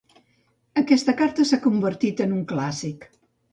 Aquesta carta s'ha convertit en un clàssic.